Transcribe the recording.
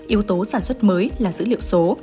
yếu tố sản xuất mới là dữ liệu số